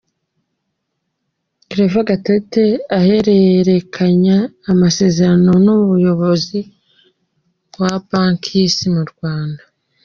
Claver Gatete ahererekanya amasezerano n’umuyobozi wa Banki y’isi mu Rwanda.